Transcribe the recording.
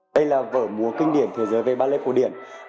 đây là vở múa kinh điển thế giới về bale cổ điển